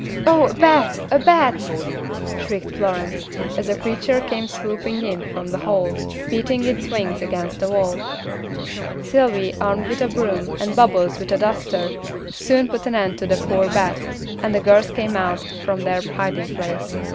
"Oh, a bat! a bat!" shrieked Florence, as the creature came swooping in from the hall, beating its wings against the wall. Sylvy, armed with a broom, and Bubbles, with a duster, soon put an end to the poor bat, and the girls came out from their hiding place.